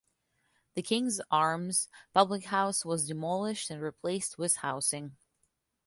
The "King's Arms" public house was demolished and replaced with housing.